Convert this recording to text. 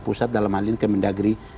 pusat dalam hal ini kemendagri